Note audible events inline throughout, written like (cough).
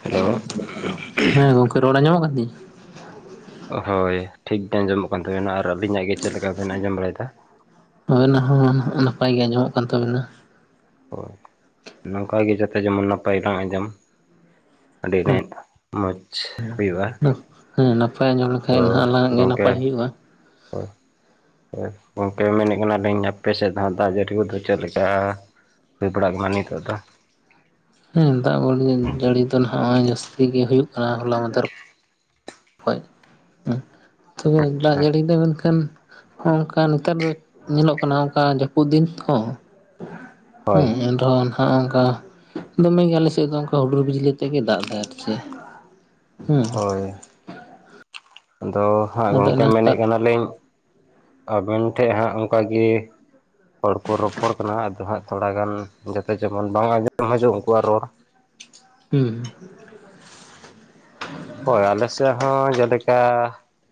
Hello ᱦᱮᱸ ᱜᱚᱝᱠᱮ ᱨᱚᱲ ᱟᱸᱧᱡᱚᱢᱚᱜ ᱠᱟᱱ ᱛᱤᱧᱟᱹ? ᱦᱳᱭ ᱴᱷᱤᱠ ᱜᱮ ᱟᱸᱡᱚᱢᱚᱜ ᱠᱟᱱ ᱛᱟᱵᱮᱱᱟ᱾ ᱟᱨ ᱟᱹᱞᱤᱧᱟᱜ ᱜᱮ ᱪᱮᱫ ᱞᱮᱠᱟ ᱵᱮᱱ ᱟᱸᱡᱚᱢ ᱵᱟᱲᱟᱭᱫᱟ? ᱦᱳᱭ ᱚᱱᱟ ᱦᱚᱸ ᱱᱟᱯᱟᱭ ᱜᱮ ᱟᱸᱡᱚᱢᱚᱜ ᱠᱟᱱ ᱛᱟᱵᱤᱱᱟ᱾ ᱦᱳᱭ, ᱱᱚᱝᱠᱟᱜ ᱜᱮ ᱡᱟᱛᱮ ᱡᱮᱢᱚᱱ ᱱᱟᱯᱟᱭ ᱞᱟᱝ ᱟᱸᱡᱚᱢ᱾ ᱟᱹᱰᱤ ᱮᱱᱮᱯ ᱢᱚᱡᱽ ᱦᱩᱭᱩᱜ-ᱟ᱾ ᱦᱮᱸ ᱱᱟᱯᱟᱭ ᱟᱸᱡᱚᱢ ᱞᱮᱠᱷᱟᱡ ᱱᱟᱦᱟᱸᱜ ᱟᱞᱟᱝᱟᱜ ᱜᱮ ᱱᱟᱯᱟᱭ ᱜᱚᱝᱠᱮ ᱦᱩᱭᱩᱜ-ᱟ᱾ (inaudible) ᱜᱚᱝᱠᱮ ᱢᱮᱱᱮᱜ ᱠᱟᱱᱟᱞᱤᱧ ᱟᱯᱮ ᱥᱮᱫ ᱫᱚ ᱦᱟᱸᱜ ᱫᱟᱜ ᱡᱟᱹᱲᱤ ᱠᱚᱫᱚ ᱪᱮᱫᱞ ᱞᱮᱠᱟ? ᱦᱩᱭ ᱵᱟᱲᱟᱜ ᱠᱟᱱᱟ ᱱᱤᱛᱚᱜ ᱫᱚ᱾ ᱦᱮᱸ ᱫᱟᱜ (unintelligible) ᱡᱟᱹᱲᱤ ᱫᱚ ᱱᱚᱜ-ᱚᱭ ᱡᱟᱹᱥᱛᱤ ᱜᱮ ᱦᱩᱭᱩᱜ ᱠᱟᱱᱟ ᱦᱚᱞᱟ ᱢᱟᱫᱷᱮᱨ ᱦᱳᱭ ᱦᱩᱸ ᱛᱚᱵᱮ ᱫᱟᱜ ᱟᱪᱪᱷᱟ ᱡᱟᱹᱲᱤ ᱫᱚ ᱢᱮᱱᱠᱷᱟᱱ ᱦᱚᱸ ᱚᱱᱠᱟ ᱱᱮᱛᱟᱨ ᱫᱚ᱾ ᱧᱮᱞᱚᱜ ᱠᱟᱱᱟ ᱚᱱᱠᱟ ᱡᱟᱹᱯᱩᱫ ᱫᱤᱱ ᱦᱚᱸ, ᱦᱳᱭ ᱦᱮᱸ ᱟᱨᱦᱚᱸ ᱱᱟᱦᱟᱸᱜ ᱚᱝᱠᱟ, ᱫᱚᱢᱮᱜᱮ ᱟᱞᱮ ᱥᱮᱫ ᱫᱚ ᱚᱱᱠᱟ ᱦᱩᱰᱩᱨ ᱵᱤᱡᱽᱞᱤ ᱛᱮᱜᱮ ᱫᱟᱜ ᱮᱫᱟ ᱟᱨ ᱪᱮᱫ᱾ (inaudible) ᱦᱩᱸ᱾ ᱦᱳᱭ, ᱟᱫᱚ ᱦᱟᱸᱜ ᱟᱫᱚ ᱜᱚᱝᱠᱮ ᱚᱱᱟ ᱢᱮᱱᱮᱜ ᱠᱟᱱᱟᱞᱤᱧ᱾ ᱟᱵᱮᱱ ᱴᱷᱮᱱ ᱦᱟᱸᱜ ᱚᱱᱠᱟᱜᱮ᱾ ᱦᱚᱲ ᱠᱚ ᱨᱚᱯᱚᱲ ᱠᱟᱱᱟ ᱟᱫᱚ ᱦᱟᱸᱜ ᱛᱷᱚᱲᱟᱜᱟᱱ ᱡᱟᱛᱮ ᱡᱮᱢᱚᱱ ᱵᱟᱝ ᱟᱸᱡᱚᱢᱚᱜ ᱦᱤᱡᱩᱜ ᱩᱱᱠᱩᱣᱟᱜ ᱨᱚᱲ᱾ ᱦᱩᱸ᱾ ᱦᱳᱭ ᱟᱞᱮᱥᱮᱜ ᱦᱚᱸ ᱡᱮᱞᱮᱠᱟ᱾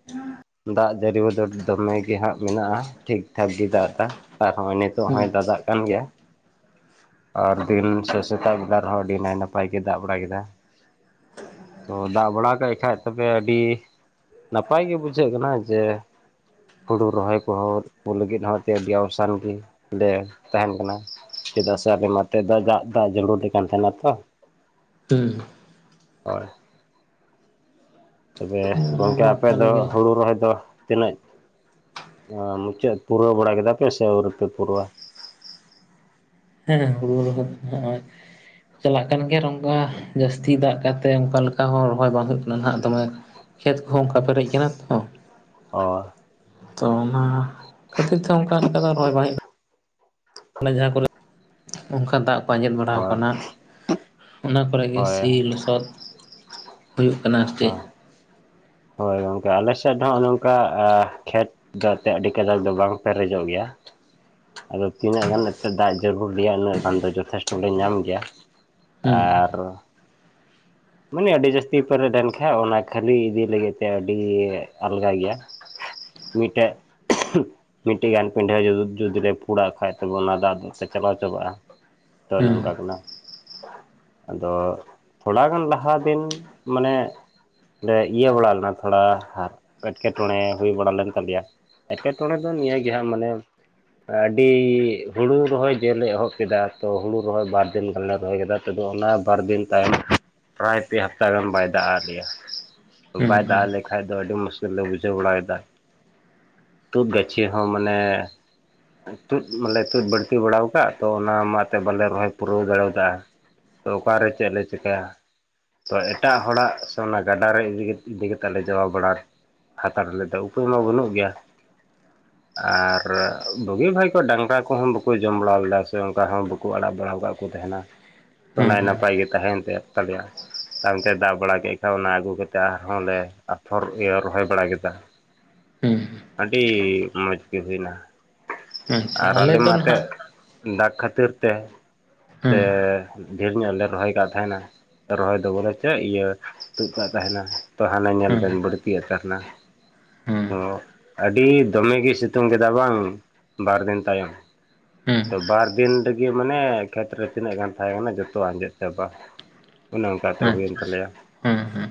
(inaudible) ᱫᱟᱜ ᱡᱟᱹᱲᱤ ᱠᱚ ᱫᱚ ᱫᱚᱢᱮ ᱜᱮ ᱦᱟᱸᱜ ᱢᱮᱱᱟᱜ-ᱟ, ᱴᱷᱤᱠᱴᱷᱟᱠ ᱜᱮ ᱫᱟᱜ ᱮᱫᱟ᱾ ᱟᱨᱦᱚᱸ ᱱᱤᱛᱚᱜ ᱦᱩᱸ ᱦᱚᱸᱭ ᱫᱟᱫᱟᱜ ᱠᱟᱱ ᱜᱮᱭᱟ᱾ ᱟᱨ ᱫᱤᱱ ᱥᱮ ᱥᱮᱛᱟᱜ ᱵᱮᱞᱟ ᱨᱮᱦᱚᱸ ᱟᱹᱰᱤ ᱱᱟᱭ ᱱᱟᱯᱟᱭ ᱜᱮ ᱫᱟᱜ ᱵᱟᱲᱟ ᱠᱮᱫᱟ᱾ ᱛᱚ ᱫᱟᱜ ᱵᱟᱲᱟ ᱠᱮᱜ ᱠᱷᱟᱡ ᱛᱚᱵᱮ ᱟᱹᱰᱤ᱾ ᱱᱟᱯᱟᱭ ᱜᱮ ᱵᱩᱡᱷᱟᱹᱜ ᱠᱟᱱᱟ᱾ ᱡᱮ ᱦᱩᱲᱩ ᱨᱚᱦᱚᱭ ᱠᱚᱦᱚ ᱛᱩᱯᱩ ᱞᱟᱹᱜᱤᱫ ᱦᱚᱸ (unintelligible) ᱜᱮ ᱞᱮ ᱛᱟᱦᱮᱸᱱ ᱠᱟᱱᱟ᱾ ᱪᱮᱫᱟᱜ ᱥᱮ ᱟᱵᱮ ᱢᱟᱛᱮ ᱫᱟᱜ ᱫᱟᱜ ᱡᱟᱹᱨᱩᱫᱮ ᱠᱟᱱ ᱛᱟᱦᱮᱸᱱᱟ ᱛᱚ᱾ ᱦᱩᱸ᱾ ᱦᱚᱭ᱾ ᱛᱚᱵᱮ ᱚᱱᱟ ᱜᱚᱝᱠᱮ ᱢᱟ ᱟᱯᱮ ᱠᱟᱱ ᱫᱚ ᱜᱮ ᱦᱩᱲᱩ ᱨᱚᱦᱚᱭ ᱫᱚ ᱛᱤᱱᱟᱹᱜ᱾ ᱢᱩᱪᱟᱹᱫ ᱯᱩᱨᱟᱹᱣ ᱵᱟᱲᱟ ᱠᱮᱫᱟ ᱯᱮ ᱥᱮ ᱟᱹᱣᱨᱤ ᱯᱮ ᱯᱩᱨᱟᱹᱣᱟ᱾ ᱦᱮᱸ ᱦᱩᱲᱩ ᱨᱚᱦᱚᱭ ᱦᱚᱜ-ᱚᱭ᱾ ᱪᱟᱞᱟᱜ ᱠᱟᱱ ᱜᱮᱭᱟ ᱱᱚᱝᱠᱟ, ᱡᱟᱹᱥᱛᱤ ᱫᱟᱜ ᱠᱟᱛᱮ ᱚᱱᱠᱟ ᱞᱮᱠᱟ ᱦᱚᱸ ᱨᱚᱦᱚᱭ ᱵᱟᱝ ᱦᱩᱭᱩᱜ ᱱᱟᱱᱦᱟᱸᱜ ᱫᱚᱢᱮ, ᱠᱷᱮᱛ ᱠᱚᱦᱚᱸ ᱚᱱᱠᱟ ᱯᱮᱨᱮᱡ ᱠᱟᱱᱟ ᱛᱚ᱾ ᱚ᱾ ᱛᱚ ᱚᱱᱟ, ᱠᱷᱟᱹᱛᱤᱨ ᱛᱮ ᱚᱝᱠᱟ ᱞᱮᱠᱟ ᱫᱚ ᱨᱚᱦᱚᱭ ᱵᱟᱝ ᱦᱩᱭᱩᱜ ᱡᱟᱦᱟᱸ ᱠᱚᱨᱮ ᱚᱝᱠᱟ ᱫᱟᱜ ᱠᱚ ᱟᱸᱡᱮᱫ ᱵᱟᱲᱟᱣ ᱦᱳᱭ ᱠᱟᱱᱟ᱾ ᱚᱱᱟ ᱠᱚᱨᱮ ᱜᱮ ᱦᱳᱭ ᱥᱤ ᱞᱚᱥᱚᱫ, ᱦᱩᱭᱩᱜ ᱠᱟᱱᱟ ᱟᱨ ᱪᱮᱫ᱾ ᱦᱳᱭ ᱜᱚᱝᱠᱮ, ᱟᱞᱮᱥᱮᱫ ᱫᱚ ᱦᱚᱜ-ᱚ ᱱᱚᱝᱠᱟ ᱟ ᱠᱷᱮᱛ ᱫᱟᱜ ᱛᱮ ᱟᱹᱰᱤ ᱠᱟᱡᱟᱠ ᱫᱚ ᱵᱟᱝ ᱯᱮᱨᱮᱡᱚᱜ ᱜᱮᱭᱟ᱾ ᱟᱫᱚ ᱛᱤᱱᱟᱹᱜ ᱜᱟᱱ ᱮᱱᱛᱮᱫ ᱫᱟᱜ ᱡᱟᱹᱨᱩᱲ ᱜᱮᱭᱟ ᱩᱱᱟᱹᱜ ᱜᱟᱱ ᱫᱚ ᱡᱚᱛᱷᱮᱥᱴᱚ ᱞᱮ ᱧᱟᱢ ᱜᱮᱭᱟ᱾ ᱦᱩᱸ ᱟᱨ ᱢᱟᱱᱮ ᱟᱹᱰᱤ ᱡᱟᱹᱥᱛᱤ ᱯᱮᱨᱮᱡ ᱞᱮᱱᱠᱷᱟᱡ ᱚᱱᱟ ᱠᱷᱟᱹᱞᱤ ᱤᱫᱤ ᱞᱟᱹᱜᱤᱫ ᱛᱮ ᱟᱹᱰᱤ ᱟᱞᱜᱟ ᱜᱮᱭᱟ᱾ ᱢᱤᱫᱴᱮᱡ᱾ (unintelligible) ᱢᱤᱫᱴᱮᱱ ᱜᱟᱱ ᱯᱤᱰᱷᱟᱹ ᱡᱩᱫᱤ ᱞᱮ ᱯᱷᱩᱲᱟᱜ ᱠᱷᱟᱡ ᱛᱚᱵᱮ ᱚᱱᱟ ᱫᱟᱜ ᱫᱚ ᱪᱟᱞᱟᱣ ᱪᱟᱵᱟᱜᱼᱟ ᱾ ᱛᱚ ᱚᱱᱮ ᱦᱩᱸ ᱚᱱᱝᱠᱟ ᱠᱟᱱᱟ ᱟᱫᱚ ᱛᱷᱚᱲᱟ ᱜᱟᱱ ᱞᱟ ᱦᱟ ᱫᱤᱱ ᱢᱟᱱᱮ ᱤᱭᱟᱹ ᱵᱟᱲᱟ ᱞᱮᱱᱟ ᱛᱷᱚᱲᱟ ᱟᱨ ᱮᱴᱠᱮᱴᱚᱬᱮ ᱦᱩᱭ ᱵᱟᱲᱟ ᱞᱮᱱ ᱛᱟᱞᱮᱭᱟ ᱮᱴᱠᱮᱴᱚᱬᱮ ᱫᱚ ᱱᱤᱭᱟᱹ ᱜᱮ ᱦᱟᱜ ᱢᱟᱱᱮ ᱟᱹᱰᱤ ᱦᱩᱲᱩ ᱨᱚᱦᱚᱭ ᱡᱮᱞᱮ ᱮᱦᱚᱵ ᱠᱮᱫᱟ ᱛᱚ ᱦᱩᱲᱩ ᱨᱚᱦᱚᱭ ᱵᱟᱨ ᱫᱤᱱ ᱜᱟᱱᱮ ᱨᱚᱦᱚᱭ ᱠᱮᱫᱟ ᱛᱫᱚ ᱚᱱᱟ ᱵᱟᱨᱫᱤᱱ ᱛᱟᱭᱚᱢ ᱯᱮᱨᱟᱭ ᱯᱮ ᱦᱟᱯᱛᱟ ᱜᱟᱱ ᱵᱟᱭ ᱫᱟᱜ ᱟ ᱞᱮᱭᱟ ᱦᱩᱸ ᱵᱟᱭ ᱫᱟᱜ ᱦᱩᱸ ᱟᱞᱮ ᱠᱷᱟᱡ ᱫᱚ ᱟᱹᱰᱤ ᱢᱩᱥᱠᱤᱞ ᱞᱮ ᱵᱩᱡᱷᱟᱹᱣ ᱵᱟᱲᱟᱭᱮᱫᱟ ᱛᱩᱫ ᱜᱟᱹᱪᱷᱤ ᱦᱚ ᱢᱟᱱᱮ ᱛᱩᱫ ᱢᱟᱱᱮ ᱛᱩᱫ ᱵᱟᱹᱲᱛᱤ ᱵᱟᱲᱟᱣ ᱟᱠᱟᱫ ᱛᱚ ᱚᱱᱟ ᱢᱟᱛᱮ ᱵᱟᱞᱮ ᱨᱚᱦᱚᱭ ᱯᱩᱨᱟᱹᱣ ᱫᱟᱲᱮᱣᱭᱟᱫᱟ ᱾ ᱛᱚ ᱚᱠᱟᱨᱮ ᱪᱮᱫ ᱞᱮ ᱪᱮᱤᱠᱟᱹᱭᱟ! ᱛᱚ ᱮᱴᱟᱜ ᱦᱚᱲᱟᱜ ᱥᱮ ᱚᱱᱟ ᱜᱟᱰᱟᱨᱮ ᱤ (unintelligible) ᱤᱫᱤ ᱠᱟᱛᱮᱫ ᱞᱮ ᱡᱟᱣᱟ ᱵᱟᱲᱟ ᱦᱟᱛᱟᱲ ᱞᱮᱫᱟ ᱩᱯᱟᱹᱭ ᱢᱟ ᱵᱟᱹᱱᱩᱜ ᱜᱮᱭᱟ ᱾ (inaudible) ᱟᱨ ᱵᱩᱜᱤ ᱵᱷᱟᱭ ᱠᱚ ᱰᱟᱝᱨᱟ ᱠᱚᱦᱚ ᱵᱟᱠᱚ ᱡᱚᱢ ᱵᱟᱲᱟ ᱞᱮᱫᱟ ᱥᱮ ᱚᱱᱠᱟ ᱦᱚ ᱵᱟ ᱠᱚ ᱟᱲᱟᱜ ᱵᱟᱲᱟᱣ ᱟᱠᱟᱫ ᱠᱚ ᱛᱟᱦᱮᱱᱟ ᱛᱚ ᱦᱩᱸ ᱱᱟᱭ ᱦᱩᱸ ᱱᱟᱯᱟᱭ ᱜᱮ ᱛᱟᱦᱮᱱ ᱛᱟᱭ ᱛᱟᱞᱮᱭᱟ ᱾ ᱛᱟᱝᱛᱮ ᱫᱟ ᱵᱟᱲᱟ ᱠᱮᱫ ᱠᱷᱟᱡ ᱚᱱᱟ ᱟᱹᱜᱩ ᱠᱟᱛᱮᱫ ᱟᱨᱦᱚᱞ ᱞᱮ ᱟᱯᱷᱚᱨ ᱤᱭᱟᱹ ᱨᱚᱦᱚᱭ ᱵᱟᱲᱟ ᱠᱮᱫᱟ ᱾ ᱦᱩᱸ ᱟᱹᱰᱤ ᱢᱚᱡᱽ ᱜᱮ ᱦᱩᱭᱱᱟ ᱟᱪᱪᱷᱟ ᱟᱨ ᱟᱞᱮ ᱫᱚ ᱢᱟ (unintelligible) ᱱᱟᱦᱟᱜ ᱫᱟᱜ ᱠᱷᱟᱹᱛᱤᱨ ᱛᱮ ᱥᱮ ᱦᱩᱸ ᱰᱷᱮᱨ ᱧᱚᱜ ᱞᱮ ᱨᱚᱦᱚᱭ ᱟᱠᱟᱜ ᱛᱟᱦᱮᱱᱟ ᱾ ᱨᱚᱦᱚᱭ ᱫᱚ ᱵᱚᱞᱮ ᱪᱮᱫ ᱤᱭᱟᱹ ᱛᱩᱫ ᱠᱟᱜ ᱛᱟᱦᱮᱱᱟ ᱛᱚ ᱦᱟᱱᱮ ᱧᱮᱞ ᱦᱩᱸ ᱵᱮᱱ ᱵᱟᱹᱲᱛᱤ ᱭᱮᱫ ᱛᱟᱦᱮᱱᱟ ᱦᱩᱸ ᱚ ᱟᱹᱰᱤ ᱫᱚᱢᱮ ᱜᱮ ᱥᱤᱛᱩᱝ ᱠᱮᱫᱟ ᱵᱟᱝ ᱵᱟᱨ ᱫᱤᱱ ᱛᱟᱭᱚᱢ ᱾ ᱦᱩᱸ ᱛᱚ ᱵᱟᱨ ᱫᱤᱱ ᱨᱮᱜᱮ ᱢᱟᱱᱮ ᱠᱷᱮᱛ ᱨᱮ ᱛᱤᱱᱟᱹᱜ ᱜᱟᱱ ᱛᱟᱦᱮᱸᱠᱟᱱᱟ ᱡᱚᱛᱚ ᱟᱸᱡᱮᱫ ᱪᱟᱵᱟ ᱾ ᱚᱱᱮ ᱚᱱᱠᱟᱛᱮ ᱦᱩᱭᱮᱱ ᱟᱪᱪᱷᱟ ᱟᱪᱪᱷᱟ ᱛᱟᱞᱮᱭᱟ ᱾ ᱦᱩᱸ ᱦᱩᱸ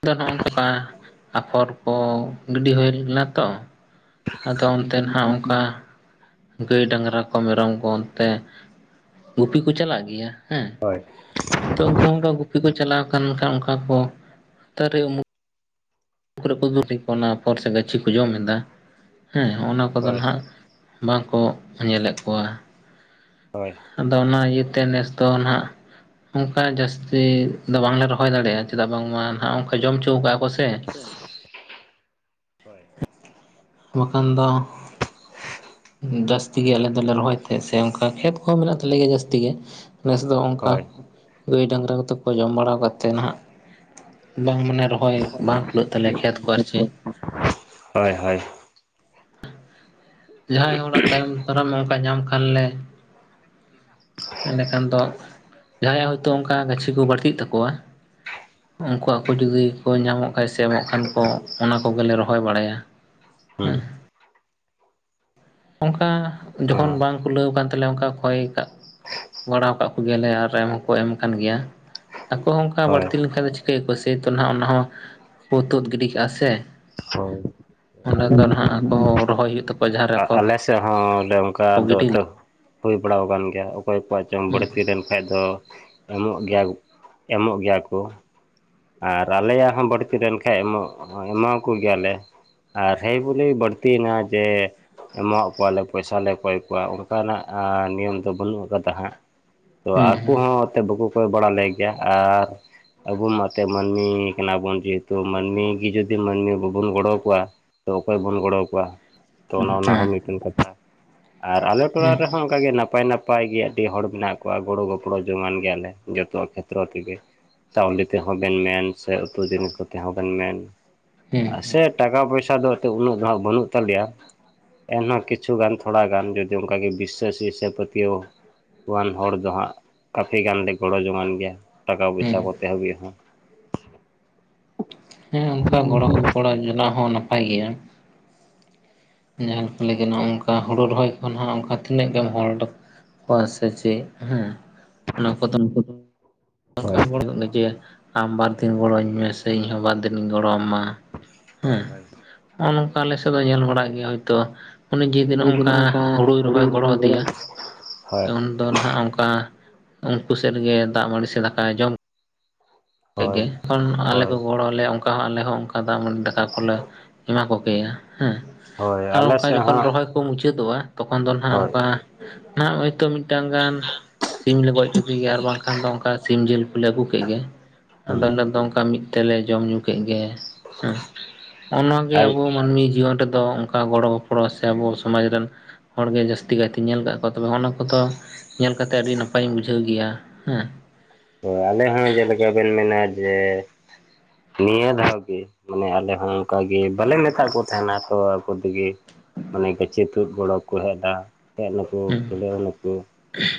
ᱟ ᱫᱚ ᱦᱚᱜᱼᱝ ᱱᱚᱠᱟ ᱟᱯᱷᱚᱨ ᱠᱚ ᱜᱤᱰᱤ ᱦᱳᱭ ᱞᱮᱱᱟ ᱛᱚ ᱾ ᱟᱫᱚ ᱚᱱᱛᱮ ᱱᱟᱦᱟᱜ ᱚᱱᱠᱟ ᱜᱟᱹᱭ ᱰᱟᱝᱨᱟ ᱠᱚ ᱢᱮᱨᱚᱢ ᱠᱚ ᱚᱱᱛᱮ ᱜᱩᱯᱤ ᱠᱚ ᱪᱟᱞᱟᱜ ᱜᱮᱭᱟ ᱦᱮ ᱦᱳᱭ ᱛᱚ ᱩᱱᱠᱦᱚ ᱚᱱᱠᱟ ᱜᱩᱯᱤ ᱠᱚ ᱪᱟᱞᱟᱣ ᱟᱠᱟᱱ ᱟᱠᱷᱟᱱ ᱚᱱᱠᱟ ᱠᱚ ᱛᱟᱨᱮ ᱩᱢᱩᱠ ᱠᱚᱨᱮ ᱠᱚ ᱜᱩᱯᱤ ᱠᱚ ᱚᱱᱟ ᱯᱚᱨ ᱥᱮ ᱜᱟᱹᱪᱷᱤ ᱠᱚ ᱡᱚᱢ ᱮᱫᱟ ᱦᱮᱸᱜ ᱚᱱᱟ ᱠᱚᱫᱚ ᱦᱳᱭ ᱱᱟᱱᱟᱜ ᱵᱟᱝᱠᱚ ᱧᱮᱞᱮᱫ ᱠᱚᱣᱟ ᱾ ᱦᱳᱭ ᱟᱫᱚ ᱚᱱᱟ ᱤᱭᱟᱹᱛᱮ ᱱᱮᱥ ᱫᱚ ᱱᱟᱦᱟᱜ ᱚᱱᱠᱟ ᱡᱟᱹᱥᱛᱤ ᱫᱚ ᱵᱟᱝᱞᱮ ᱨᱚᱦᱚᱭ ᱫᱟᱲᱮᱭᱟᱜᱼᱟ ᱪᱮᱫᱟᱜ ᱵᱟᱝᱢᱟ ᱱᱟᱦᱟᱜ ᱚᱱᱠᱟ ᱡᱚᱢ ᱚᱪᱚᱣ ᱟᱠᱟᱫᱼᱟ ᱠᱚ ᱥᱮ ᱾ (inaudible) ᱵᱟᱠᱷᱟᱱ ᱫᱚ ᱡᱟᱹᱥᱛᱤ ᱜᱮ ᱟᱞᱮ ᱫᱚᱞᱮ ᱨᱚᱦᱚᱭ ᱛᱟᱦᱮᱫ ᱥᱮ ᱚᱱᱠᱟ ᱠᱷᱮᱛ ᱠᱚᱦᱚ ᱢᱮᱱᱟᱜ ᱛᱟᱞᱮᱭᱟ ᱡᱟᱹᱥᱛᱤ ᱜᱮ‌ ᱱᱮᱥ ᱫᱚ ᱚᱱᱠᱟ ᱦᱳᱭ ᱜᱟᱹᱭ ᱰᱟᱝᱨᱟ ᱠᱚᱫᱚ ᱠᱚ ᱡᱚᱢ ᱵᱟᱲᱟᱣ ᱠᱟᱛᱮᱫ ᱱᱟᱦᱟᱜ ᱵᱟᱝ ᱢᱟᱱᱮ ᱨᱚᱦᱚᱭ ᱵᱟᱝ ᱠᱷᱩᱞᱟᱹᱜ ᱛᱟᱞᱮ ᱠᱷᱮᱛ ᱠᱚ ᱟᱨᱪᱮᱫ ᱦᱳᱭ ᱦᱳᱭ ᱡᱟᱦᱟᱭ ᱦᱚᱲᱟᱜ ᱛᱟᱭᱚᱢ ᱫᱟᱨᱟᱢ ᱱᱚᱝᱠᱟ ᱧᱟᱢ ᱠᱷᱟᱱ ᱞᱮ ᱮᱸᱰᱮᱠᱷᱟᱱ ᱫᱚ ᱡᱟᱦᱟᱸᱭᱟᱜ ᱦᱚᱭᱛᱚ ᱚᱱᱠᱟ ᱜᱟᱪᱷᱤ ᱠᱚ ᱵᱟᱹᱲᱛᱤᱜ ᱛᱟᱠᱚᱣᱟ ᱩᱱᱠᱩᱣᱟᱜ ᱟᱠᱚ ᱡᱩᱫᱤ ᱠᱚ ᱧᱟᱢᱚᱜ ᱠᱷᱟᱡ ᱥᱮ ᱮᱢᱚᱜ ᱠᱷᱟᱱ ᱠᱚ ᱚᱱᱟ ᱠᱚᱜᱮᱞᱮ ᱨᱚᱦᱚᱭ ᱵᱟᱲᱟᱭᱟ ᱾ ᱦᱩ ᱚᱱᱠᱟ ᱚ ᱡᱚᱠᱷᱚᱱ ᱚᱱᱠᱟ ᱵᱟᱝ ᱠᱩᱞᱟᱹᱣ ᱠᱟᱱ ᱛᱟᱞᱮᱭᱟ ᱚᱱᱠᱟ ᱠᱚᱭ ᱠᱟᱜ ᱵᱟᱲᱟᱣ ᱠᱟᱜ ᱠᱚᱣᱟ ᱜᱮᱞᱮ ᱟᱨ ᱮᱢ ᱦᱚᱸᱠᱚ ᱮᱢ ᱠᱟᱱ ᱜᱮᱭᱟ ᱟᱠᱚ ᱦᱚᱸ ᱚᱱᱠᱟ ᱦᱳᱭ ᱵᱟᱹᱲᱛᱤ ᱞᱮᱱᱠᱷᱟᱱ ᱫᱚ ᱠᱮ ᱥᱮᱭ ᱛᱚ ᱱᱟᱦᱟᱜ ᱚᱱᱟ ᱦᱚᱸ ᱠᱚ ᱛᱩᱫ ᱜᱤᱰᱤ ᱠᱟᱜ-ᱟ ᱥᱮ, ᱦᱳᱭ ᱚᱸᱰᱮ ᱫᱚ ᱱᱟᱦᱟᱜ ᱟᱠᱚ ᱦᱚᱸ ᱨᱚᱦᱚᱭ ᱦᱩᱭᱩᱜ ᱛᱟᱠᱚᱣᱟ ᱡᱟᱦᱟᱸ ᱨᱮ ᱟᱯᱷᱚᱨ ᱟᱞᱮ ᱥᱮᱫ ᱦᱚᱸ ᱵᱚᱞᱮ ᱚᱱᱠᱟ ᱠᱚ ᱫᱚ ᱜᱤᱰᱤ ᱛᱚ ᱦᱩᱭ ᱵᱟᱲᱟ ᱟᱠᱟᱱ ᱜᱮᱭᱟ ᱚᱠᱚᱭ ᱠᱚᱣᱟᱜ ᱪᱚᱝ ᱦᱩᱸ ᱵᱟᱹᱲᱛᱤ ᱞᱮᱱ ᱠᱷᱟᱡ ᱫᱚ ᱮᱢᱚᱜ ᱜᱮᱭᱟ ᱠᱚ ᱮᱢᱚᱜ ᱜᱮᱭᱟ ᱠᱚ᱾ ᱟᱨ ᱟᱞᱮᱭᱟᱜ ᱦᱚᱸ ᱵᱟᱹᱲᱛᱤ ᱞᱮᱱᱠᱷᱟᱡ ᱮᱢᱚᱜ ᱮᱢᱟ ᱠᱚ ᱜᱮᱭᱟᱞᱮ᱾ ᱟᱨ ᱦᱮᱸ ᱵᱚᱞᱮ ᱵᱟᱹᱲᱛᱤᱭᱮᱱᱟ ᱡᱮ ᱮᱢᱟ ᱟᱠᱚᱣᱟᱞᱮ ᱯᱚᱭᱥᱟ ᱞᱮ ᱠᱚᱭ ᱠᱚᱣᱟ ᱚᱱᱠᱟᱱᱟᱜ ᱱᱤᱭᱚᱢ ᱫᱚ ᱵᱟᱹᱱᱩᱜ ᱟᱠᱟᱫᱟ ᱦᱟᱸᱜ᱾ ᱛᱚ ᱦᱩᱸ ᱦᱩᱸ ᱟᱠᱚ ᱦᱚᱸ ᱮᱱᱛᱮᱫ ᱵᱟᱠᱚ ᱠᱚᱭ ᱵᱟᱲᱟᱞᱮ ᱜᱮᱭᱟ ᱟᱨ ᱟᱵᱚ ᱢᱟ ᱛᱮ ᱢᱟᱹᱱᱢᱤ ᱠᱟᱱᱟ ᱵᱚᱱ ᱡᱮᱦᱮᱛᱩ ᱢᱟᱹᱱᱢᱤ ᱜᱮ ᱡᱩᱫᱤ ᱢᱟᱹᱱᱢᱤ ᱵᱟᱵᱚᱱ ᱜᱚᱲᱚ ᱟᱠᱚᱣᱟ ᱛᱚ ᱚᱠᱚᱭ ᱵᱚᱱ ᱜᱚᱲᱚᱠᱚᱣᱟ ᱛᱚ ᱚᱱᱮ ᱚᱱᱟ ᱦᱚᱸ ᱦᱮᱸ ᱢᱤᱫᱴᱮᱱ ᱠᱟᱛᱷᱟ ᱟᱨ ᱟᱞᱮ ᱴᱚᱞᱟ ᱦᱮᱸ ᱨᱮᱦᱚᱸ ᱚᱱᱠᱟᱜᱮ ᱱᱟᱯᱟᱭ ᱱᱟᱯᱟᱭ ᱜᱮ ᱟᱹᱰᱤ ᱦᱚᱲ ᱢᱮᱱᱟᱜ ᱠᱚᱣᱟ ᱜᱚᱲᱚ ᱜᱚᱯᱚᱲᱚ ᱡᱚᱝᱟᱱ ᱜᱮᱭᱟᱞᱮ ᱡᱚᱛᱚᱣᱟᱜ ᱠᱷᱮᱛᱨᱚ ᱛᱮᱜᱮ ᱾ ᱪᱟᱣᱞᱮ ᱛᱮᱦᱚᱸ ᱵᱮᱱ ᱢᱮᱱ ᱥᱮ ᱩᱛᱩ ᱡᱤᱞ ᱠᱚ ᱛᱮᱦᱚᱸ ᱵᱮᱱ ᱢᱮᱱ, ᱦᱮᱸ, ᱥᱮ ᱴᱟᱠᱟ ᱯᱚᱭᱥᱟ ᱫᱚ ᱦᱚᱭᱛᱚ ᱩᱱᱟᱹᱜ ᱫᱚ ᱦᱟᱸᱜ ᱵᱟᱹᱱᱩᱜ ᱛᱟᱞᱮᱭᱟ, ᱮᱱᱦᱚᱸ ᱠᱤᱪᱷᱩ ᱜᱟᱱ ᱛᱷᱚᱲᱟ ᱜᱟᱱ ᱡᱚᱫᱤ ᱚᱱᱠᱟ ᱵᱤᱥᱥᱳᱥ ᱵᱤᱥᱥᱳᱥ ᱯᱟᱹᱛᱭᱟᱹᱣ ᱣᱟᱱ ᱦᱚᱲ ᱫᱚ ᱦᱟᱸᱜ ᱠᱟᱯᱷᱤ ᱜᱟᱱ ᱞᱮ ᱜᱚᱲᱚ ᱡᱚᱝᱟᱱ ᱜᱮᱭᱟ᱾ ᱴᱟᱠᱟ ᱦᱮᱸ ᱯᱚᱭᱥᱟ ᱠᱚᱛᱮ ᱦᱟᱹᱵᱤᱡ ᱦᱚᱸ᱾ ᱦᱮᱸ ᱚᱱᱠᱟ ᱜᱚᱲᱚ ᱜᱚᱯᱚᱲᱚ ᱡᱚᱝᱟᱜ ᱦᱚᱸ ᱱᱟᱯᱟᱭ ᱜᱮᱭᱟ᱾ ᱡᱟᱦᱟᱸ ᱠᱚ ᱞᱟᱹᱭ ᱱᱚᱜ-ᱚᱱᱠᱟ ᱦᱩᱲᱩ ᱨᱚᱦᱚᱭ ᱠᱷᱚᱱ ᱦᱟᱸᱜ ᱚᱱᱠᱟ ᱛᱤᱱᱟᱹᱜ ᱜᱟᱱ ᱦᱚᱲ ᱫᱚ ᱠᱚᱣᱟ ᱥᱮ ᱪᱮᱫ ᱦᱮᱸ, ᱚᱱᱟ ᱠᱚᱫᱚ ᱩᱱᱠᱩ ᱫᱚ ᱱᱚᱝᱠᱟ ᱜᱚᱲᱚᱜ ᱡᱮ ᱟᱢ ᱵᱟᱨ ᱫᱤᱱ ᱜᱚᱲᱚ ᱟᱹᱧ ᱢᱮ ᱥᱮ ᱤᱧᱦᱚᱸ ᱵᱟᱨ ᱫᱤᱱ ᱤᱧ ᱜᱚᱲᱚᱣᱟᱢᱟ ᱾ ᱦᱳᱭ ᱦᱮᱸ, ᱱᱚᱜ-ᱚ ᱱᱚᱝᱠᱟ ᱟᱞᱮ ᱥᱮᱫ ᱫᱚ ᱧᱮᱞ ᱵᱟᱲᱟᱜ ᱜᱮᱭᱟ ᱦᱚᱭᱛᱳ ᱩᱱᱤ ᱦᱳᱭ ᱡᱮᱫᱤᱱ ᱡᱮ ᱱᱚᱜ-ᱚ ᱡᱮ ᱱᱚᱝᱠᱟ ᱦᱩᱲᱩᱭ ᱦᱩᱲᱩ ᱨᱚᱦᱚᱭ ᱜᱚᱲᱚ ᱟᱫᱮᱭᱟ ᱦᱳᱭ ᱮᱢᱚᱱ ᱫᱚ ᱱᱟᱦᱟᱜ ᱚᱱᱠᱟ ᱩᱱᱠᱩ ᱥᱮᱫ ᱨᱮᱜᱮ ᱫᱟᱜ ᱢᱟᱹᱲᱤ ᱥᱮ ᱫᱟᱠᱟᱭ ᱡᱚᱢ ᱦᱳᱭ ᱛᱮᱜᱮ ᱠᱷᱚᱱ ᱟᱞᱮ ᱦᱳᱭ ᱠᱚ ᱜᱚᱲᱚ ᱟᱞᱮᱭᱟ ᱚᱱᱠᱟ ᱦᱚᱸ ᱟᱞᱮ ᱦᱚᱸ ᱚᱱᱠᱟ ᱫᱟᱜ ᱢᱟᱹᱰᱤ ᱫᱟᱠᱟ ᱠᱚᱞᱮ ᱮᱢᱟ ᱠᱚ ᱜᱮᱭᱟ ᱦᱮᱸ᱾ ᱦᱳᱭ ᱟᱨ ᱟᱞᱮ ᱚᱱᱠᱟ ᱥᱮᱫ ᱡᱚᱠᱷᱚᱱ ᱦᱟᱸᱜ ᱨᱚᱦᱚᱭ ᱠᱚ ᱢᱩᱪᱟᱹᱫᱚᱜ-ᱟ ᱛᱚᱠᱷᱚᱱ ᱫᱚ ᱱᱟᱸᱜ ᱦᱳᱭ ᱚᱱᱠᱟ ᱱᱟᱜ ᱦᱳᱭᱛᱳ ᱢᱤᱫᱴᱟᱝ ᱜᱟᱱ ᱥᱤᱢ ᱞᱮ ᱜᱚᱡ ᱠᱮᱫᱮ ᱜᱮ ᱟᱨ ᱵᱟᱝᱠᱷᱟᱱ ᱫᱚ ᱚᱱᱠᱟ ᱥᱤᱢ ᱡᱤᱞ ᱠᱚᱞᱮ ᱟᱹᱜᱩ ᱠᱮᱫ ᱜᱮ ᱾ ᱟᱫᱚ ᱦᱩᱸ ᱟᱞᱮ ᱫᱚ ᱚᱱᱠᱟ ᱢᱤᱫ ᱛᱮᱞᱮ ᱡᱚᱢ ᱧᱩ ᱠᱮᱫ ᱜᱮ ᱾ ᱦᱮᱸ ᱦᱚᱸᱜᱼᱚ ᱱᱚᱣᱟ ᱜᱮ ᱟᱞ ᱟᱵᱚ ᱢᱟᱹᱱᱢᱤ ᱡᱤᱭᱚᱱ ᱨᱮ ᱫᱚ ᱚᱱᱠᱟ ᱜᱚᱲᱚ ᱜᱚᱯᱚᱲᱚ ᱥᱮ ᱟᱵᱚ ᱥᱚᱢᱟᱡᱽ ᱨᱮᱱ ᱦᱚᱲᱜᱮ ᱜᱮ ᱡᱟᱹᱥᱛᱤ ᱠᱟᱭᱛᱮᱧ ᱧᱮᱞ ᱟᱠᱟᱜ ᱠᱚᱣᱟ ᱛᱚᱵᱮ ᱚᱱᱟ ᱠᱚᱫᱚ ᱧᱮᱞ ᱠᱟᱛᱮ ᱟᱹᱰᱤ ᱱᱟᱯᱟᱭᱤᱧ ᱵᱩᱡᱷᱟᱹᱣ ᱜᱮᱭᱟ ᱦᱮᱸ᱾ ᱦᱳᱭ ᱟᱞᱮ ᱦᱚᱸ ᱡᱮᱞᱮᱠᱟ ᱵᱮᱱ ᱢᱮᱱᱟ ᱡᱮ ᱱᱤᱭᱟᱹ ᱫᱷᱟᱣ ᱜᱮ ᱢᱟᱱᱮ ᱟᱞᱮ ᱦᱚᱸ ᱚᱱᱠᱟᱜᱮ ᱵᱟᱞᱮ ᱢᱮᱛᱟᱜ ᱠᱚ ᱛᱟᱦᱮᱸᱱᱟ ᱛᱚ ᱟᱠᱚ ᱛᱮᱜᱮ ᱢᱟᱱᱮ ᱜᱟᱪᱮ ᱛᱩᱫ ᱜᱚᱲᱚ ᱠᱚ ᱦᱮᱡ ᱮᱱᱟ᱾ ᱦᱮᱡ ᱱᱟᱠᱩ ᱦᱩᱸ ᱯᱷᱩᱞᱟᱹᱜ ᱱᱟᱠᱩ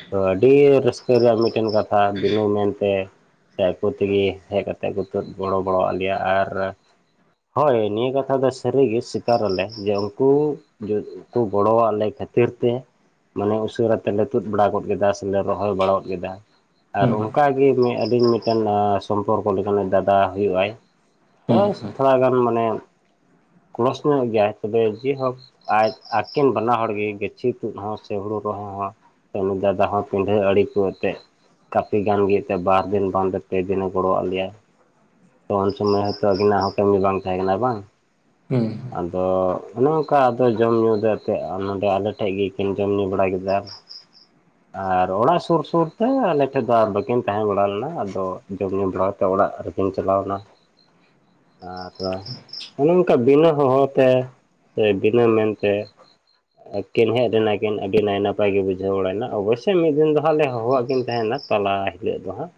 ᱛᱚ ᱟᱹᱰᱤ ᱨᱟᱹᱥᱠᱟᱹ ᱨᱮᱭᱟᱜ ᱢᱤᱫᱴᱮᱱ ᱠᱟᱛᱷᱟ, ᱵᱤᱱᱟᱹ ᱢᱮᱱᱛᱮ ᱥᱮ ᱟᱠᱚ ᱛᱮᱜᱮ ᱦᱮᱡ ᱠᱟᱛᱮᱫ ᱠᱚ ᱛᱩᱫ ᱜᱚᱲᱚ ᱵᱟᱲᱟ ᱟᱫ ᱞᱮᱭᱟ ᱟᱨ ᱦᱳᱭ ᱱᱤᱭᱟᱹ ᱠᱟᱛᱷᱟ ᱫᱚ ᱥᱟᱹᱨᱤᱜᱮ ᱥᱤᱠᱟᱨ ᱟᱞᱮ ᱡᱮ ᱩᱱᱠᱩ ᱠᱚ ᱜᱚᱲᱚᱣᱟᱜ ᱞᱮ ᱠᱷᱟᱹᱛᱤᱨ ᱛᱮ ᱢᱟᱱᱮ ᱩᱥᱟᱹᱨᱟ ᱛᱮᱞᱮ ᱛᱩᱫ ᱵᱟᱲᱟ ᱜᱚᱫ ᱠᱮᱫᱟ ᱥᱮᱞᱮ ᱨᱚᱦᱚᱭ ᱵᱟᱲᱟ ᱜᱚᱫ ᱠᱮᱫᱟ ᱾ ᱟᱨ ᱚᱱᱠᱟᱜᱮ ᱢᱮᱜ ᱟᱹᱞᱤᱧ ᱢᱤᱫᱴᱮᱱ ᱟᱸ ᱥᱚᱢᱯᱚᱨᱠᱚ ᱞᱮᱠᱟᱱᱮ ᱫᱟᱫᱟ ᱦᱩᱭᱩᱜ-ᱟᱭ ᱦᱩᱸ (inaudible) ᱛᱷᱚᱲᱟᱜᱟᱱ ᱢᱟᱱᱮ ᱠᱚᱲᱚᱥ ᱧᱚᱜ ᱜᱮᱭᱟᱭ ᱛᱚᱵᱮ ᱡᱮᱵᱷᱟᱵᱽ ᱟᱡ ᱟᱠᱤᱱ ᱵᱟᱞᱟ ᱦᱚᱲ ᱜᱮ ᱜᱟᱹᱪᱷᱤ ᱛᱩᱫ ᱦᱚᱸ ᱥᱮ ᱦᱩᱲᱩ ᱨᱚᱦᱚᱭ ᱦᱚᱸ ᱛᱚ ᱩᱱᱤ ᱫᱟᱫᱟ ᱦᱚᱸ ᱯᱤᱰᱷᱟᱹ ᱟᱲᱮ ᱠᱚ ᱟᱛᱮᱫ ᱠᱟᱹᱯᱷᱤ ᱜᱟᱱ ᱜᱮ ᱮᱱᱛᱮ ᱵᱟᱨ ᱫᱤᱱ ᱵᱟᱝ ᱫᱚ ᱯᱮ ᱫᱤᱱᱮ ᱜᱚᱲᱚᱣᱟᱜ ᱞᱮᱭᱟ᱾ ᱛᱚ ᱩᱱ ᱥᱚᱢᱚᱭ ᱦᱚᱭᱛᱚ ᱟᱹᱠᱤᱱᱟᱜ ᱦᱚᱸ ᱠᱟᱹᱢᱤ ᱵᱟᱝ ᱛᱟᱦᱮᱸ ᱠᱟᱱᱟ ᱵᱟᱝ? ᱦᱩᱸ᱾ ᱟᱫᱚ ᱚᱱᱮ ᱚᱱᱠᱟ ᱟᱫᱚ ᱡᱚᱢ ᱧᱩ ᱫᱚ ᱱᱚᱛᱮᱜ ᱱᱟᱰᱮ ᱟᱞᱮᱴᱷᱮᱡ ᱜᱮᱠᱤᱱ ᱡᱚᱢ ᱧᱩ ᱵᱟᱲᱟ ᱠᱮᱫᱟ᱾ (inaudible) ᱟᱨ ᱚᱲᱟᱜ ᱥᱩᱨ ᱥᱩᱨ ᱛᱮ ᱟᱞᱮ ᱴᱷᱮᱡ ᱫᱚ ᱟᱨ ᱵᱟᱹᱠᱤᱱ ᱛᱟᱦᱮᱸ ᱵᱟᱲᱟ ᱞᱮᱱᱟ ᱟᱫᱚ ᱡᱚᱢ ᱧᱩ ᱵᱟᱲᱟ ᱠᱟᱛᱮ ᱚᱲᱟᱜ ᱨᱮᱠᱤᱱ ᱪᱟᱞᱟᱣᱱᱟ᱾ ᱟᱨ ᱚᱱᱮ ᱚᱱᱠᱟ ᱵᱤᱱᱟᱹ ᱦᱚᱦᱚ ᱛᱮ ᱥᱮ ᱵᱤᱱᱟᱹ ᱢᱮᱱᱛᱮ ᱟᱹᱠᱤᱱ ᱦᱮᱡ ᱞᱮᱱᱟᱠᱤᱱ ᱟᱹᱰᱤ ᱱᱟᱭ ᱱᱟᱯᱟᱭ ᱱᱟᱯᱟᱭ ᱜᱮ ᱵᱩᱡᱷᱟᱹᱣ ᱵᱟᱲᱟᱭᱱᱟ ᱚᱵᱚᱥᱥᱳᱭ ᱢᱤᱫ ᱫᱤᱱ ᱫᱚ ᱦᱟᱸᱜ ᱞᱮ ᱦᱚᱦᱚᱣᱟᱜ ᱠᱤᱱ ᱛᱟᱦᱮᱱᱟ᱾ ᱛᱟᱞᱟ ᱦᱤᱞᱳᱜ ᱫᱚ ᱦᱟᱸᱜ᱾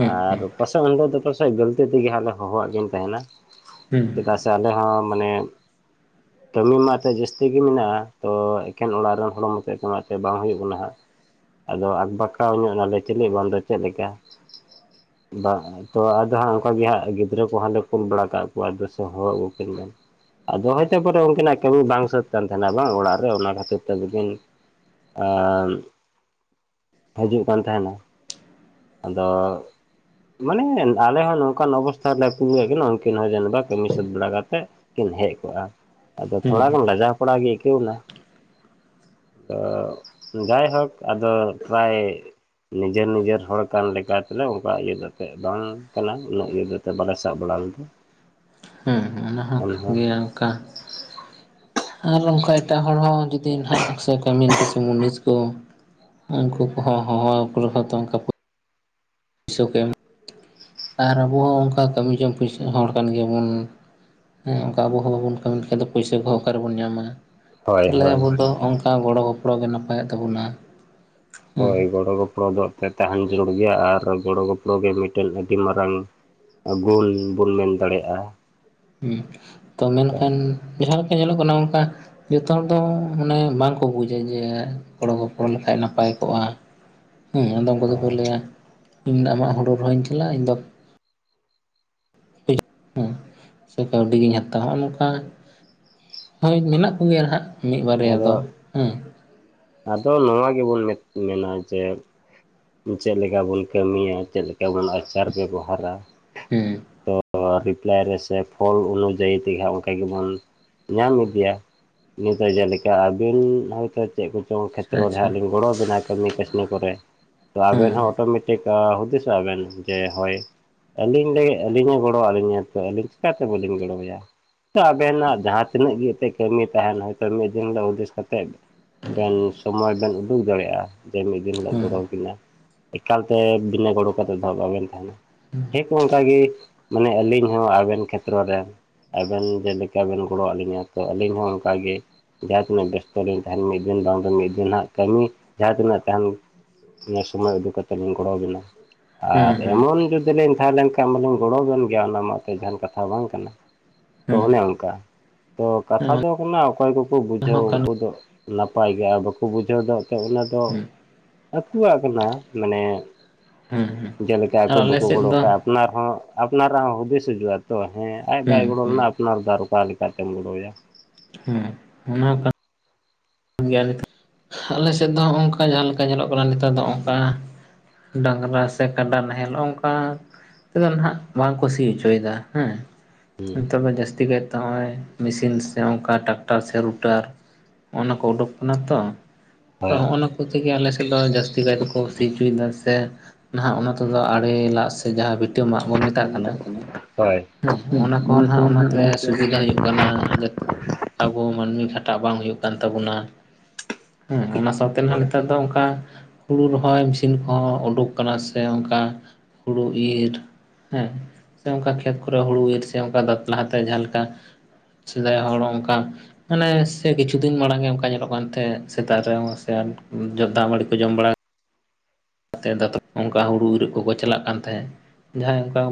ᱦᱩᱸ ᱟᱨ ᱯᱟᱥᱮᱫ ᱩᱱ ᱦᱤᱞᱚᱜ ᱫᱚ ᱯᱟᱥᱮᱫ ᱜᱟᱹᱞᱛᱤ ᱛᱮᱜᱮ ᱦᱟᱸᱜ ᱞᱮ ᱦᱚᱦᱚᱣᱟᱜ ᱠᱤᱱ ᱛᱟᱦᱮᱱᱟ ᱦᱩᱸ ᱪᱮᱫᱟᱜ ᱥᱮ ᱥᱮ ᱟᱞᱮ ᱦᱚᱸ ᱢᱟᱱᱮ (inaudible) ᱠᱟᱹᱢᱤ ᱢᱟ ᱮᱛᱮᱫ ᱡᱟᱹᱥᱛᱤ ᱜᱮ ᱢᱮᱱᱟᱜᱼᱟ ᱛᱚ ᱮᱠᱮᱱ ᱚᱲᱟᱜ ᱨᱮᱱ ᱦᱚᱲ ᱢᱚᱛᱚ ᱚᱱᱟᱛᱮ ᱵᱟᱝ ᱦᱩᱭᱩᱜ ᱠᱟᱱᱟ ᱦᱟᱸᱜ᱾ ᱟᱫᱚ ᱟᱠᱵᱟᱠᱟᱣ ᱧᱚᱜ ᱱᱟᱞᱮ ᱪᱮᱞᱮ ᱵᱟᱝᱫᱚ ᱪᱮᱫ ᱞᱮᱠᱟ ᱛᱚ ᱟᱫᱚ ᱦᱟᱸᱜ ᱚᱱᱠᱟ ᱜᱮ ᱦᱟᱸᱜ ᱜᱤᱫᱽᱨᱟᱹ ᱠᱚ ᱦᱟᱱᱰᱮ ᱠᱩᱞ ᱵᱟᱲᱟ ᱠᱟᱜ ᱠᱚᱣᱟ ᱫᱚᱥᱮ ᱦᱚᱦᱚ ᱟᱹᱜᱩᱠᱤᱱ ᱵᱮᱱ᱾ ᱟᱫᱚ ᱦᱚᱭᱛᱮ ᱯᱟᱨᱮ ᱩᱱᱠᱤᱱᱟᱜ ᱠᱟᱹᱢᱤ ᱵᱟᱝ ᱥᱟᱹᱛ ᱠᱟᱱ ᱛᱟᱦᱮᱱᱟ ᱵᱟᱝ ᱚᱲᱟᱜ ᱨᱮ ᱚᱱᱟ ᱠᱷᱟᱹᱛᱤᱨ ᱛᱮᱫᱚ ᱠᱤᱱ ᱟᱨ ᱦᱤᱡᱩᱜ ᱠᱟᱱ ᱛᱟᱦᱮᱱᱟ᱾ ᱟᱫᱚ ᱢᱟᱱᱮ ᱟᱞᱮ ᱦᱚᱸ ᱱᱚᱝᱠᱟᱱ ᱚᱵᱚᱥᱛᱷᱟ ᱨᱮᱞᱮ ᱠᱩᱞᱠᱟᱠᱤᱱᱟ ᱩᱱᱠᱤᱱ ᱦᱚᱸ ᱡᱟᱱᱤᱡ ᱵᱟᱠᱤ ᱠᱟᱹᱢᱤ ᱥᱟᱹᱛ ᱵᱟᱲᱟ ᱠᱟᱛᱮᱫ ᱠᱤᱱ ᱦᱮᱡ ᱠᱚᱜᱼᱟ ᱟᱫᱚ ᱦᱩᱸ ᱦᱩᱸ ᱛᱷᱚᱲᱟ ᱜᱟᱱ ᱞᱟᱡᱟᱣ ᱯᱟᱲᱟ ᱜᱮ ᱟᱹᱭᱠᱟᱹᱣ ᱮᱱᱟ ᱛᱚ ᱡᱟᱭᱦᱳᱠ ᱟᱫᱚ ᱯᱨᱟᱭ ᱱᱤᱡᱮᱨ ᱱᱤᱡᱮᱨ ᱦᱚᱲ ᱠᱟᱱ ᱞᱮᱠᱟ ᱛᱮᱞᱮ ᱚᱱᱠᱟ ᱤᱭᱟᱹ ᱠᱟᱛᱮᱫ ᱵᱟᱝ ᱠᱟᱱᱟ ᱩᱱᱟᱹᱜ ᱤᱭᱟᱹ ᱠᱟᱛᱮ ᱵᱟᱞᱮ ᱥᱟᱵ ᱵᱟᱲᱟ ᱞᱮᱫᱟ᱾ ᱦᱩᱸᱦᱩᱸ ᱚᱱᱟ ᱦᱚᱸ ᱠᱟᱱ ᱮᱱᱦᱚᱸ ᱜᱮᱭᱟ ᱚᱱᱠᱟ᱾ ᱟᱨ ᱱᱚᱝᱠᱟ ᱮᱴᱟᱜ ᱦᱚᱲ ᱦᱚᱸ ᱡᱩᱫᱤ ᱱᱟᱦᱟᱜ ᱥᱮ ᱠᱟᱹᱢᱤᱱ ᱠᱩᱥᱤ ᱢᱩᱱᱤᱥ ᱛᱚ ᱩᱱᱠᱩ ᱠᱚᱦᱚᱸ ᱦᱚᱦᱚ ᱟᱠᱚ ᱨᱮᱦᱚᱸᱛᱚ ᱚᱱᱠᱟ ᱯᱩᱭᱥᱟᱹ ᱠᱚ ᱮᱢ ᱟᱨ ᱟᱵᱚ ᱦᱚᱸ ᱚᱱᱠᱟ ᱠᱟᱹᱢᱤ ᱡᱚᱝ ᱯᱩᱭᱥᱟᱹ ᱦᱚᱲ ᱠᱟᱱ ᱜᱮᱭᱟᱵᱚᱱ᱾ ᱦᱮᱸ ᱚᱱᱠᱟ ᱟᱵᱚ ᱠᱚᱦᱚᱸ ᱵᱟᱵᱚᱱ ᱠᱟᱹᱢᱤ ᱞᱮᱠᱷᱟᱡ ᱫᱚ ᱯᱩᱭᱥᱟᱹ ᱠᱚᱦᱚᱸ ᱚᱠᱟ ᱨᱮᱵᱚᱱ ᱧᱟᱢᱟ᱾ ᱦᱳᱭ ᱛᱟᱦᱚᱞᱮ ᱦᱳᱭ ᱟᱵᱚ ᱫᱚ ᱚᱱᱠᱟ ᱜᱚᱲᱚᱼ ᱜᱚᱯᱚᱲᱚ ᱜᱮ ᱱᱟᱯᱟᱭᱚᱜ ᱛᱟᱵᱚᱱᱟ᱾ ᱦᱮᱸ ᱦᱳᱭ ᱜᱚᱲᱚ ᱜᱚᱯᱚᱲᱚ ᱫᱚ ᱮᱱᱛᱮᱫ ᱛᱟᱦᱮᱱ ᱡᱟᱹᱨᱩᱲ ᱜᱮᱭᱟ ᱟᱨ ᱜᱚᱲᱚ-ᱜᱚᱯᱚᱲᱚ ᱜᱮ ᱢᱤᱫᱴᱮᱱ ᱟᱹᱰᱤ ᱢᱟᱨᱟᱝ᱾ ᱜᱩᱱ ᱵᱚᱱ ᱢᱮᱱ ᱫᱟᱲᱮᱭᱟᱜᱼᱟ᱾ ᱦᱩᱸ ᱛᱚ ᱚᱱᱠᱟ ᱢᱮᱱᱠᱷᱟᱱ ᱡᱟᱦᱟᱸ ᱞᱮᱠᱟ ᱧᱮᱞᱚᱜ ᱠᱟᱱᱟ ᱚᱱᱠᱟ ᱡᱚᱛᱚ ᱦᱚᱲ ᱫᱚ ᱢᱟᱱᱮ ᱵᱟᱝᱠᱚ ᱵᱩᱡᱟ ᱡᱮ ᱜᱚᱲᱚ ᱜᱚᱯᱚᱲᱚ ᱞᱮᱠᱷᱟᱡ ᱱᱟᱯᱟᱭ ᱠᱚᱜᱼᱟ᱾ ᱦᱮᱸ ᱟᱫᱚ ᱩᱱᱠᱩ ᱫᱚᱠᱚ ᱦᱳᱭ ᱞᱟᱹᱭᱟ ᱤᱧ ᱫᱚ ᱟᱢᱟᱜ ᱦᱩᱲᱩ ᱨᱚᱦᱚᱭᱤᱧ ᱪᱟᱞᱟᱜᱼᱟ ᱤᱧ ᱫᱚ ᱦᱩᱸᱥᱮ ᱠᱟᱹᱣᱰᱤ ᱜᱤᱧ ᱦᱟᱛᱟᱣᱟ ᱦᱚᱸᱜᱼᱚᱸ ᱱᱚᱝᱠᱟ ᱦᱳᱭ ᱢᱮᱱᱟᱜ ᱠᱚᱜᱮᱭᱟ ᱱᱟᱦᱟᱜ ᱢᱤᱫ ᱵᱟᱨᱭᱟ ᱟᱫᱚ ᱫᱚ ᱦᱮᱸ ᱟᱫᱚ ᱱᱚᱣᱟ ᱜᱮᱵᱚᱱ ᱢᱮᱱ ᱢᱮᱱᱟ ᱡᱮ ᱪᱮᱫ ᱞᱮᱠᱟ ᱵᱚᱱ ᱠᱟᱹᱢᱤᱭᱟ ᱪᱮᱫ ᱞᱮᱠᱟ ᱵᱚᱱ ᱟᱪᱟᱨ ᱵᱮᱵᱚᱦᱟᱨᱟ ᱦᱮᱸ ᱛᱚ ᱟᱨ ᱨᱤᱯᱞᱟᱭ ᱨᱮᱥᱮ ᱯᱷᱚᱞ ᱚᱱᱩᱡᱟᱭᱤ ᱛᱮᱦᱟᱸᱜ ᱚᱱᱠᱟ ᱜᱮᱵᱚᱱ ᱧᱟᱢ ᱤᱫᱤᱭᱟ᱾ ᱱᱤᱛᱚᱜ ᱡᱮᱞᱮᱠᱟ ᱟᱹᱵᱤᱱ ᱦᱚᱭᱛᱚ ᱪᱮᱫ ᱠᱚ ᱪᱚᱝ ᱟᱪᱪᱷᱟ ᱠᱷᱮᱛᱨᱚ ᱨᱮ ᱟᱪᱪᱷᱟ ᱦᱟᱸᱜ ᱞᱤᱧ ᱜᱚᱲᱚ ᱟᱵᱤᱱᱟ ᱠᱟᱹᱢᱤ ᱠᱟᱹᱥᱢᱤ ᱠᱚᱨᱮ ᱛᱚ ᱦᱮᱸ ᱟᱵᱮᱱ ᱦᱚᱸ ᱚᱴᱳᱢᱮᱴᱤᱠ᱾ ᱴᱤᱠᱟ ᱦᱩᱫᱤᱥᱚᱜ ᱟᱵᱮᱱ ᱡᱮ ᱦᱚᱭ ᱟᱹᱞᱤᱧ ᱞᱟᱹᱜᱤᱫ ᱟᱹᱞᱤᱧᱮ ᱜᱚᱲᱚᱭᱟᱜ ᱟᱹᱞᱤᱧᱟ ᱛᱚ ᱟᱹᱞᱤᱧ ᱪᱤᱠᱟᱹᱛᱮ ᱵᱟᱹᱞᱤᱧ ᱜᱚᱲᱚᱣᱟᱭᱟ᱾ ᱛᱳ ᱟᱵᱮᱱᱟᱜ ᱡᱟᱦᱟᱸ ᱛᱤᱱᱟᱹᱜ ᱜᱮᱯᱮ ᱠᱟᱹᱢᱤ ᱛᱟᱦᱮᱱ ᱦᱚᱭᱛᱳ ᱢᱤᱫ ᱫᱤᱱ ᱦᱤᱞᱳᱜ ᱦᱩᱫᱤᱥ ᱠᱟᱛᱮ ᱾ ᱵᱮᱱ ᱥᱚᱢᱚᱭ ᱵᱮᱱ ᱩᱰᱩᱠ ᱫᱟᱲᱮᱭᱟᱜᱼᱟ, ᱡᱮ ᱢᱤᱫᱼᱼ ᱫᱤᱱ ᱦᱤᱞᱳᱜ ᱦᱮᱸ ᱜᱚᱲᱚᱠᱤᱱᱟ ᱮᱠᱟᱞᱛᱮ ᱵᱤᱱᱟᱹ ᱜᱚᱲᱚ ᱠᱟᱛᱮᱫ ᱫᱚ ᱦᱟᱸᱜ ᱵᱟᱵᱮᱱ ᱛᱟᱦᱮᱱᱟ ᱾ ᱴᱷᱤᱠ ᱚᱱᱠᱟᱟᱜᱮ ᱢᱟᱱᱮ ᱟᱹᱞᱤᱧ ᱦᱚᱸ ᱟᱵᱮᱱ ᱠᱷᱮᱛᱨᱚ ᱨᱮᱱ ᱾ ᱟᱵᱮᱱ ᱡᱮᱞᱮᱠᱟ ᱵᱮᱱ ᱜᱚᱲᱚ ᱟᱹᱞᱤᱧᱟ ᱛᱚ ᱟᱹᱞᱤᱧ ᱦᱚᱸ ᱚᱱᱠᱟᱜᱮ ᱾ ᱡᱟᱦᱟᱸ ᱛᱤᱱᱟᱹᱜ ᱵᱮᱥᱛᱚ ᱨᱮᱤᱧ ᱛᱟᱦᱮᱱ ᱢᱤᱫ ᱫᱤᱱ ᱵᱟᱝ ᱫᱚ ᱢᱤᱫ ᱫᱤᱱ ᱦᱟᱸᱜ ᱠᱟᱹᱢᱤ ᱡᱟᱦᱟᱸ ᱛᱤᱱᱟᱹᱜ ᱛᱟᱦᱮᱱ ᱾ ᱱᱮ ᱥᱚᱢᱚᱭ ᱩᱰᱩᱠ ᱠᱟᱛᱮ ᱞᱤᱧ ᱜᱚᱲᱚ ᱵᱤᱱᱟ, ᱦᱮᱸ ᱟᱨ ᱦᱮᱸ ᱮᱢᱚᱱ ᱡᱩᱫᱤ ᱞᱤᱧ ᱛᱟᱦᱮᱸ ᱞᱮᱱᱠᱷᱟᱱ ᱾ (unintelligible) ᱢᱟᱞᱤᱧ ᱜᱚᱲᱚᱵᱱ ᱜᱮᱭᱟ ᱚᱱᱟ ᱢᱟ ᱮᱛ ᱡᱟᱦᱟᱱ ᱠᱟᱛᱷᱟ ᱵᱟᱝ ᱠᱟᱱᱟ ᱾ ᱛᱚ ᱦᱮᱸ ᱚᱱᱮ ᱚᱱᱠᱟ, ᱛᱚ ᱠᱟᱛᱷᱟ ᱫᱚ ᱠᱟᱱᱟ ᱚᱠᱚᱭ ᱠᱚᱼᱼ ᱠᱩ ᱚᱱᱟ ᱦᱚᱸ ᱵᱩᱡᱷᱟᱹᱣᱟ ᱠᱟᱱ ᱩᱱᱠᱩ ᱫᱚ ᱱᱟᱯᱟᱭ ᱜᱮ ᱟᱨ ᱵᱟᱠᱚ ᱵᱩᱡᱷᱟᱹᱣ ᱫᱚ ᱮᱱᱛ ᱚᱱᱟ ᱫᱚ ᱾ ᱦᱮᱸ ᱟᱠᱚᱣᱟᱜ ᱠᱟᱱᱟ ᱢᱟᱱᱮ, ᱦᱮᱸ ᱦᱮᱸ ᱡᱮᱞᱮᱠᱟ ᱟᱨ ᱟᱠᱚ ᱟᱞᱮ ᱵᱟᱠᱚ ᱥᱮᱫ ᱜᱚᱲᱚ ᱫᱚ ᱠᱷᱟᱡ ᱟᱯᱱᱟᱨ ᱦᱚᱸ ᱾ ᱟᱯᱱᱟᱨᱟᱜ ᱦᱚᱸ ᱦᱩᱫᱤᱥ ᱦᱤᱡᱩᱜᱼᱟ ᱛᱚ ᱦᱮᱸ ᱟᱡ ᱦᱮᱸ ᱵᱟᱭ ᱜᱚᱲᱚ ᱦᱮᱸ ᱞᱮᱱᱟ ᱟᱯᱱᱟᱨ ᱫᱚ ᱟᱨ ᱚᱠᱟ ᱞᱮᱠᱟᱛᱮᱢ ᱜᱚᱲᱚᱣᱭᱟ ᱾ ᱦᱩᱸ ᱚᱱᱟ ᱠᱟᱛᱼᱼ ᱜᱮ ᱟᱞᱮ ᱥᱮᱫ ᱫᱚ ᱦᱚᱸ ᱚᱝᱠᱟ ᱡᱟᱦᱟᱸ ᱞᱮᱠᱟ ᱧᱮᱞᱚᱜ ᱠᱟᱱᱟ ᱱᱮᱛᱟᱨ ᱫᱚ ᱚᱱᱠᱟ ᱾ ᱰᱟᱝᱜᱨᱟ ᱥᱮ ᱠᱟᱰᱟ ᱱᱟᱦᱮᱞ ᱚᱱᱠᱟ ᱾ ᱛᱮᱫᱚ ᱱᱟᱦᱟᱜ ᱵᱟᱝ ᱠᱚ ᱥᱤ ᱚᱪᱚᱭᱮᱫᱟ ᱦᱮᱸ ᱾ ᱦᱩᱸ ᱱᱮᱛᱟᱨ ᱫᱚ ᱡᱟᱥᱛᱤ ᱠᱟᱭᱛᱮ ᱱᱚᱜᱼᱚᱭ ᱢᱤᱥᱤᱱ ᱥᱮ ᱚᱱᱠᱟ ᱴᱨᱟᱠᱴᱟᱨ ᱥᱮ ᱨᱩᱴᱟᱨ ᱱᱚᱜᱼ ᱠᱚᱼᱼ ᱠᱚ ᱩᱰᱩᱠ ᱠᱟᱱᱟ ᱛᱚ ᱛᱚ ᱦᱳᱭ ᱦᱚᱜᱼ ᱱᱚᱣᱟ ᱾ ᱩᱱ ᱛᱮᱜᱮ ᱟᱞᱮᱥᱮᱫ ᱫᱚ ᱡᱟᱹᱥᱛᱤ ᱠᱟᱭ ᱛᱮᱠᱚ ᱠᱩ ᱥᱤ ᱦᱚᱪᱚᱭᱮᱫᱟ ᱥᱮᱼᱼ ᱱᱟᱦᱟᱜ ᱚᱱᱟ ᱛᱮᱫᱚ ᱟᱲᱮ ᱞᱟᱜ ᱥᱮ ᱡᱟᱦᱟᱸᱵᱤᱴ ᱾ ᱛᱟᱸ ᱢᱟᱜ ᱵᱚᱱ ᱢᱮᱛᱟᱜ ᱠᱟᱱᱟ᱾ ᱦᱩᱸ ᱚᱱᱟ ᱠᱷᱚᱱ ᱦᱟᱜ ᱚᱱᱟᱛᱮ ᱥᱩᱵᱤᱫᱷᱟ ᱦᱩᱭᱩᱜ ᱠᱟᱱᱟ ᱾ ᱟᱵᱚ ᱢᱟᱹᱱᱢᱤ ᱠᱷᱟᱴᱟᱜ ᱵᱟᱝ ᱦᱩᱭᱩᱜ ᱠᱟᱱ ᱛᱟᱵᱚᱱᱟ ᱦᱩᱸ ᱚᱱᱟ ᱥᱟᱶᱛᱮᱼᱼ ᱱᱟᱜ ᱦᱳᱭ ᱱᱮᱛᱟᱨ ᱫᱚ ᱚᱱᱠᱟ ᱾ ᱦᱩᱲᱩ ᱨᱚᱦᱚᱭ ᱢᱤᱥᱤᱱ ᱠᱚᱦᱚᱸ ᱩᱰᱩᱠ ᱟᱠᱟᱱᱟ ᱥᱮ ᱚᱱᱠᱟ ᱦᱳᱲᱳ ᱤᱨ ᱦᱮᱸ ᱾ ᱥᱮ ᱦᱩᱸ ᱚᱱᱠᱟ ᱠᱷᱮᱛ ᱠᱚᱨᱮ ᱦᱩᱲᱩ ᱤᱨᱥᱼᱼ ᱚᱱᱠᱟ ᱫᱟᱛᱞᱟᱦᱟᱛᱮ ᱡᱟᱦᱟᱸ ᱞᱮᱠᱟ ᱥᱮᱫᱟᱭ ᱦᱚᱲ ᱚᱱᱠᱟ ᱢᱟᱱᱮ ᱥᱮ ᱠᱤᱪᱷᱩ ᱾ ᱫᱤᱱ ᱢᱟᱲᱟᱝ ᱜᱮ ᱚᱱᱠᱟ ᱧᱮᱞᱚᱜ ᱠᱟᱱ ᱛᱟᱦᱮᱸ ᱥᱮᱛᱟᱜ ᱨᱮᱦᱚᱸ ᱥᱮ ᱫᱟᱜ ᱢᱟᱹᱲᱤ ᱠᱚ ᱡᱚᱢ ᱵᱟᱲᱟ ᱾ ᱛᱮ ᱫᱟᱛᱨᱚᱢ ᱚᱱᱠᱟ ᱦᱩᱲᱩ ᱤᱨᱚᱜ ᱠᱚᱠᱚ ᱪᱟᱞᱟᱜ ᱠᱟᱱ ᱛᱟᱦᱮᱸᱫ ᱡᱟᱦᱟᱸᱭ ᱚᱱᱠᱟ ᱾